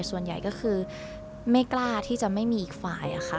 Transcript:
ส่วนใหญ่ก็คือไม่กล้าที่จะไม่มีอีกฝ่ายค่ะ